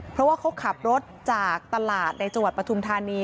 เพราะว่าเขาขับรถจากตลาดในจังหวัดปฐุมธานี